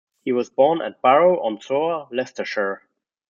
He was born at Barrow-on-Soar, Leicestershire.